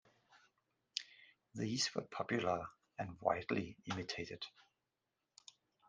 They were popular and widely imitated.